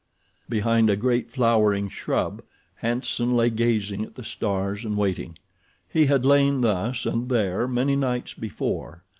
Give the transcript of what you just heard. Behind a great flowering shrub Hanson lay gazing at the stars and waiting. He had lain thus and there many nights before.